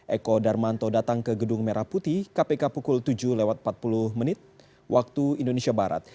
eko darmanto datang ke gedung merah putih kpk pukul tujuh lewat empat puluh menit waktu indonesia barat